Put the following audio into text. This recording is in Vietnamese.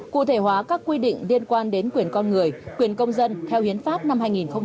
cụ thể hóa các quy định liên quan đến quyền con người quyền công dân theo hiến pháp năm hai nghìn một mươi ba